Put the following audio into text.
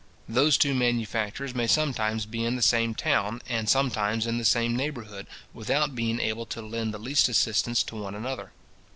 Those two manufactures may sometimes be in the same town, and sometimes in the same neighbourhood, without being able to lend the least assistance to one another.